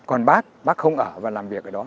còn bác bác không ở và làm việc ở đó